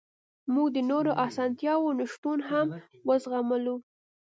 موږ د نورو اسانتیاوو نشتون هم وزغملو